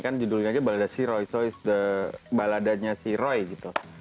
kan judulnya aja balada si roy so it's the baladanya si roy gitu